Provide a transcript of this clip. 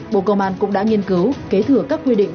bộ công an cũng đã nghiên cứu kế thừa các quy định